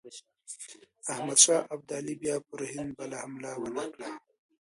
احمدشاه ابدالي بیا پر هند بله حمله ونه کړه.